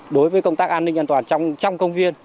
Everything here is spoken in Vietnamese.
đối với công tác an ninh an toàn trong công viên